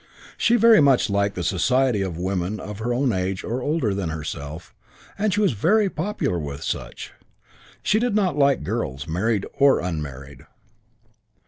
She very much liked the society of women of her own age or older than herself, and she was very popular with such. She did not like girls, married or unmarried.